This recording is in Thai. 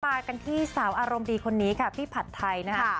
มากันที่สาวอารมณ์ดีคนนี้ค่ะพี่ผัดไทยนะคะ